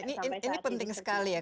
ini penting sekali ya